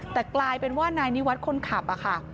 แต่กลายเป็นว่านายนี่วัดคนขับ